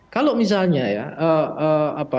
kalau misalnya ya